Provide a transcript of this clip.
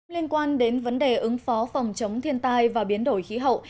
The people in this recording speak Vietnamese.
liên quan đến vấn đề ứng phó phòng chống thiên tai và biến đổi khí hậu